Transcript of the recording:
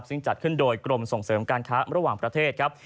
ซึ่งจัดขึ้นโดยกรมส่งเสริมการค้าระหว่างประเทศครับ